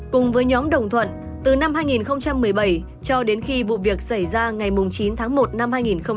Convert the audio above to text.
cùng với nhóm đồng thuận từ năm hai nghìn một mươi bảy cho đến khi vụ việc xảy ra ngày chín tháng một năm hai nghìn một mươi bảy